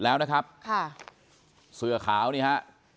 แล้วนะครับค่ะเสื้อขาวนี่ฮะ